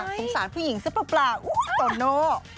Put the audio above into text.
สงสารผู้หญิงซะเปล่าโตโน่